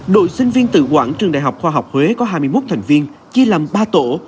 đội sinh viên tự quản trường đại học khoa học huế có hai mươi một thành viên chia làm ba tổ